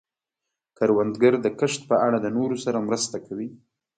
کروندګر د کښت په اړه د نورو سره مرسته کوي